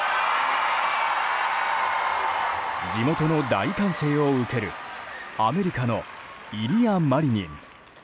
地元の大歓声を受けるアメリカのイリア・マリニン。